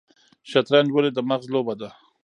شطرنج ولې د مغز لوبه ده؟